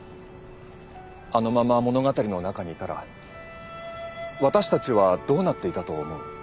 あのまま物語の中にいたら私たちはどうなっていたと思う？